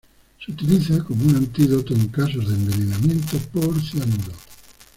Se utiliza como un antídoto en casos de envenenamiento por cianuro.